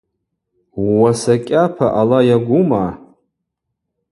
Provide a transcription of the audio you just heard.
Ууаса кӏьапа ала йагума?